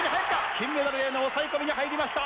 金メダルへの抑え込みに入りました。